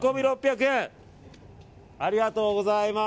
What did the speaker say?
ありがとうございます。